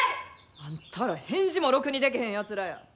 あんたら返事もろくにでけへんやつらや。